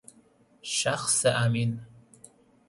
شخص امین